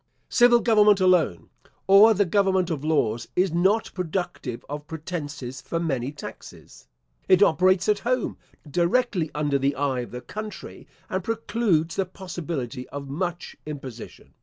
Civil government alone, or the government of laws, is not productive of pretences for many taxes; it operates at home, directly under the eye of the country, and precludes the possibility of much imposition.